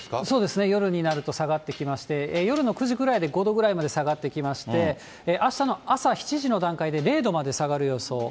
そうですね、夜になると下がってきまして、夜の９時ぐらいで５度くらいまで下がってきまして、あしたの朝７時の段階で０度まで下がる予想。